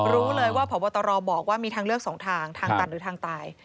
รู้เลยว่าพบตรบอกว่ามีทางเลือกสองทางทางตันหรือทางตาย